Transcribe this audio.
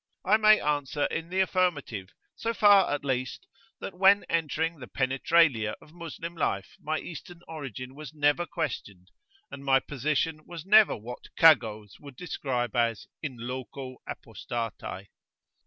I may answer in the affirmative, so far, at least, that when entering the penetralia of Moslem life my Eastern origin was never questioned, and my position was never what cagots would describe as in loco apostatae.